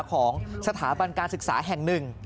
ของสถาบันการศึกษาแห่งหนึ่ง